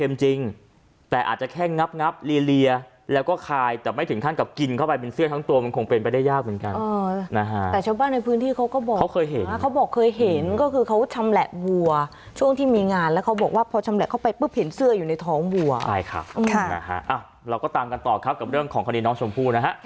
พื้นที่เขาก็บอกเคยเห็นก็คือเขาชำแหละวัวช่วงที่มีงานแล้วเขาบอกว่าพอชำแหละเข้าไปปุ๊บเห็นเสื้ออยู่ในท้องวัวใช่ครับอ่ะเราก็ตามกันต่อครับกับเรื่องของคณิตน้องชมพูนะฮะ